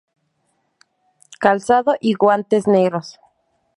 Calzado y guantes negros.